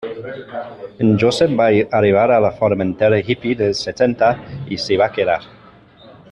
En Josep va arribar a la Formentera hippy dels setanta i s'hi va quedar.